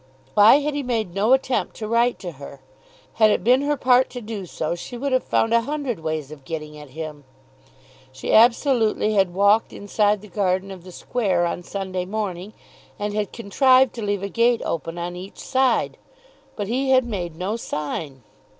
Why had he made no attempt to write to her? Had it been her part to do so, she would have found a hundred ways of getting at him. She absolutely had walked inside the garden of the square on Sunday morning, and had contrived to leave a gate open on each side. But he had made no sign.